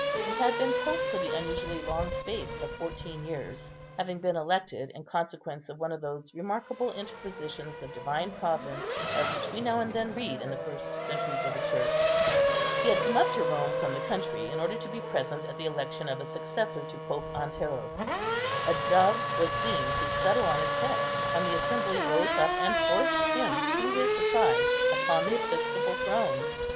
He had been pope for the unusually long space of fourteen years, having been elected in consequence of one of those remarkable interpositions of Divine Providence of which we now and then read in the first centuries of the Church. He had come up to Rome from the country, in order to be present at the election of a successor to Pope Anteros. A dove was seen to settle on his head, and the assembly rose up and forced him, to his surprise, upon the episcopal throne.